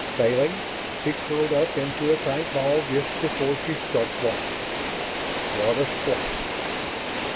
Failing, she curled up into a tight ball just before she struck water. What a splash!